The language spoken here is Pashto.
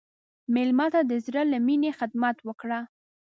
مېلمه ته د زړه له میني خدمت وکړه.